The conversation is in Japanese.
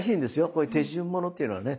こういう手順ものというのはね